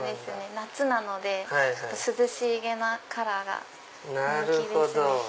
夏なので涼しげなカラーが人気ですね。